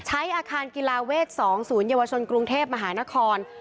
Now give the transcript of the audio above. อาคารกีฬาเวท๒๐เยาวชนกรุงเทพมหานคร